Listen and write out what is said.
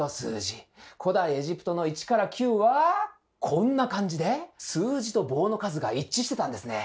古代エジプトの１から９はこんな感じで数字と棒の数が一致してたんですね。